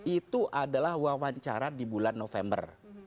itu adalah wawancara di bulan november